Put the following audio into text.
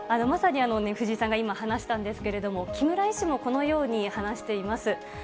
まさに藤井さんが今、話したんですけれども、木村医師もこのように話しています。